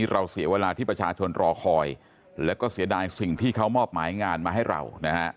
เราเสียเวลาที่ประชาชนรอคอยแล้วก็เสียดายสิ่งที่เขามอบหมายงานมาให้เรานะฮะ